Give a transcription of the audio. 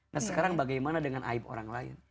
nah sekarang bagaimana dengan aib orang lain